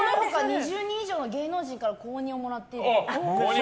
２０人以上の芸能人から公認をもらっていると。